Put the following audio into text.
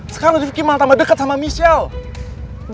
sekarang rifki malah tambah deket sama michelle